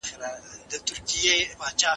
د فکر پېچلتیاوې په پوهه حل کېږي.